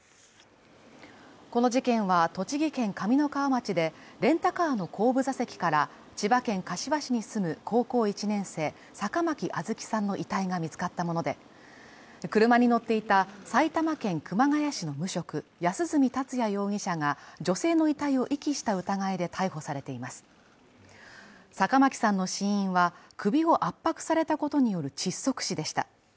この事件は、栃木県上三川町でレンタカーの後部座席から千葉県柏市に住む高校１年生、坂巻杏月さんの遺体が見つかったもので、車に乗っていた埼玉県熊谷市の無職、安栖達也容疑者が女性の遺体を遺棄した疑いで逮捕されています坂巻さんの死因は、首を圧迫されたことによる窒息死でした。